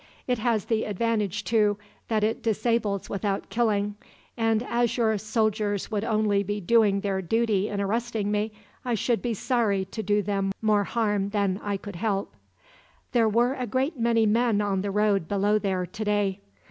It has the advantage, too, that it disables without killing; and as your soldiers would only be doing their duty in arresting me, I should be sorry to do them more harm than I could help. "There were a great many men on the road below there, today."